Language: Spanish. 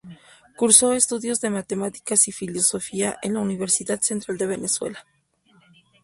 Cursó estudios de matemáticas y filosofía en la Universidad Central de Venezuela.